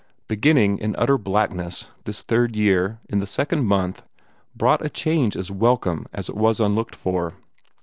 Beginning in utter blackness, this third year, in the second month, brought a change as welcome as it was unlooked for.